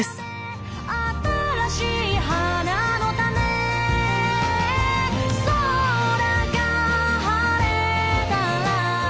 「新しい花の種」「空が晴れたら」